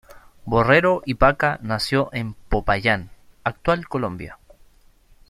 Borrero y Baca nació en Popayán, Actual Colombia.